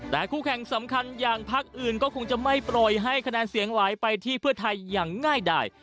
แต่คู่แข่งสำคัญอย่างพักอื่นก็คงจะไม่ปล่อยให้คะแนนเสียงไหลไปที่เพื่อไทยอย่างง่ายดาย